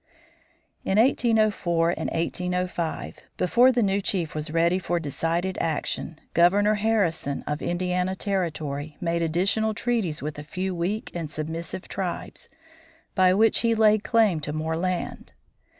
In 1804 and 1805, before the new chief was ready for decided action, Governor Harrison, of Indiana Territory, made additional treaties with a few weak and submissive tribes, by which he laid claim to more land.